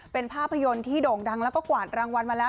เป็นภาพยนตร์ที่โด่งดังแล้วก็กวาดรางวัลมาแล้ว